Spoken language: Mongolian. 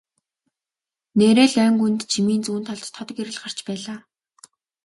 Нээрээ л ойн гүнд жимийн зүүн талд тод гэрэл гарч байлаа.